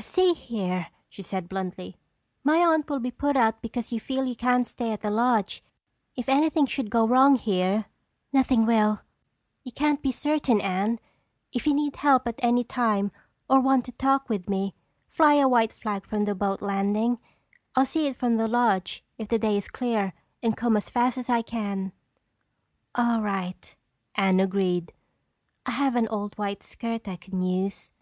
"See here," she said bluntly, "my aunt will be put out because you feel you can't stay at the lodge. If anything should go wrong here—" "Nothing will." "You can't be certain, Anne. If you need help at any time or want to talk with me, fly a white flag from the boat landing. I'll see it from the lodge if the day is clear and come as fast as I can." "All right," Anne agreed, "I have an old white skirt I can use."